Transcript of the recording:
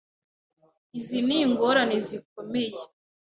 Izi ni ingorane zikomeye.